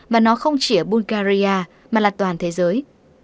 và nó không chỉ ở bulgaria mà là toàn thế giới